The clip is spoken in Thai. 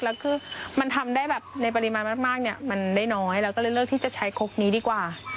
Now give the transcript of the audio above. แล้วคือมันทำได้แบบในปริมาณมากเนี่ยมันได้น้อยเราก็เลยเลือกที่จะใช้ครกนี้ดีกว่า